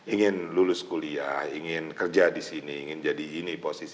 ingin lulus kuliah ingin kerja di sini ingin jadi ini posisi